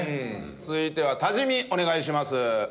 続いては多治見お願いします。